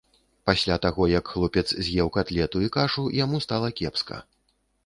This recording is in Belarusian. Пасля таго як хлопец з'еў катлету і кашу, яму стала кепска.